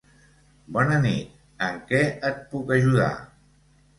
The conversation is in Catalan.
Bona nit. En què et puc ajudar?